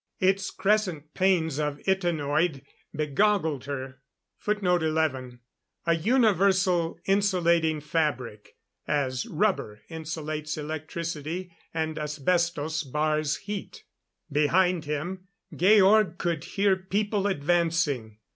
Its crescent panes of itanoid begoggled her. [Footnote 11: A universal insulating fabric, as rubber insulates electricity and asbestos bars heat.] Behind him, Georg could hear people advancing.